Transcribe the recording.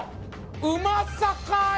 うまさかい！